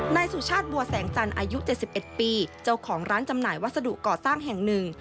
นายสุชาติบัวแสงจันทร์อายุ๗๑ปีเจ้าของร้านจำหน่ายวัสดุก่อสร้างแห่งหนึ่ง